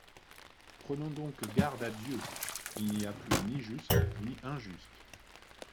Prenons donc garde à Dieu ! Il n'y a plus ni juste ni injuste.